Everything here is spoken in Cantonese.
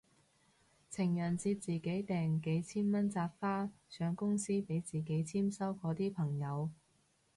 情人節自己訂幾千蚊紮花上公司俾自己簽收嗰啲朋友